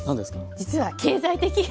実は経済的！